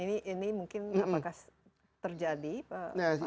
ini mungkin apakah terjadi pak